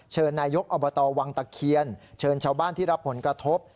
นายกอบตวังตะเคียนเชิญชาวบ้านที่รับผลกระทบ